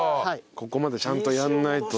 ここまでちゃんとやんないと。